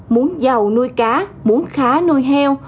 muốn giàu nuôi cá muốn khá nuôi heo